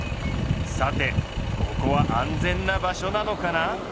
さてここは安全な場所なのかな？